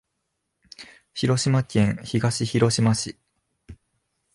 広島県東広島市